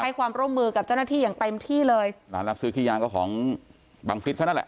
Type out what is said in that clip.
ให้ความร่วมมือกับเจ้าหน้าที่อย่างเต็มที่เลยร้านรับซื้อขี้ยางก็ของบังฟิศเขานั่นแหละ